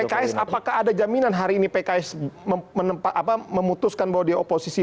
pks apakah ada jaminan hari ini pks memutuskan bahwa dia oposisi